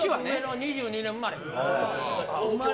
２２年生まれ。